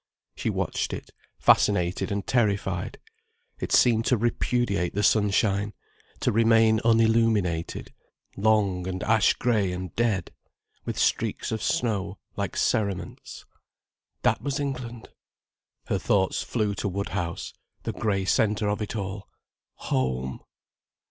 She watched it, fascinated and terrified. It seemed to repudiate the sunshine, to remain unilluminated, long and ash grey and dead, with streaks of snow like cerements. That was England! Her thoughts flew to Woodhouse, the grey centre of it all. Home!